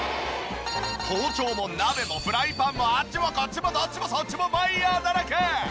包丁も鍋もフライパンもあっちもこっちもどっちもそっちもマイヤーだらけ！